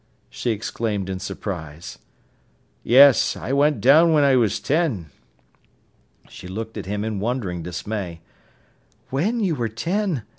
she exclaimed in surprise. "Yes. I went down when I was ten." She looked at him in wondering dismay. "When you were ten!